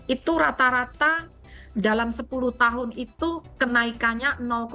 itu rata rata dalam sepuluh tahun itu kenaikannya tujuh